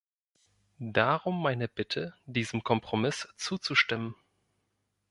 Darum meine Bitte, diesem Kompromiss zuzustimmen.